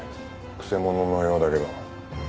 曲者のようだけど。